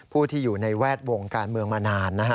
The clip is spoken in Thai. ผู้ที่อยู่ในแวดวงการเมืองมานานนะฮะ